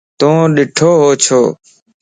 تو ڏڻھوَ ڇو؟